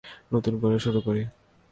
নতুন করে শুরু করি।